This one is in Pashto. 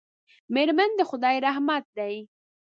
میرمن د خدای رحمت دی.